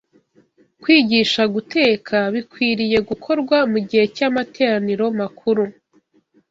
Kwigisha guteka bikwiriye gukorwa mu gihe cy’amateraniro makuru